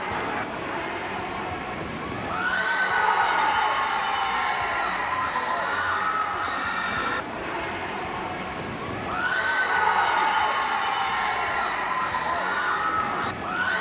ก็จะมีทางด้วย